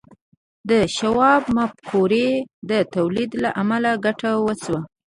د شواب د مفکورې د تولید له امله ګټه وشوه